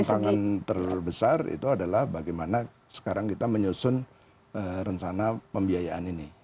tantangan terbesar itu adalah bagaimana sekarang kita menyusun rencana pembiayaan ini